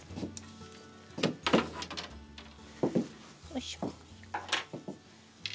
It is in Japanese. よいしょ。